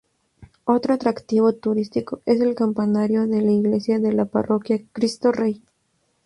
Otro atractivo turístico es el campanario de la iglesia de la parroquia Cristo Rey.